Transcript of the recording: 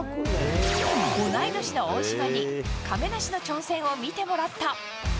同い年の大島に、亀梨の挑戦を見てもらった。